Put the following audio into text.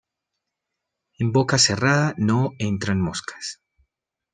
En boca cerrada no entran moscas.